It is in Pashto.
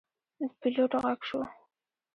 د پیلوټ غږ شو.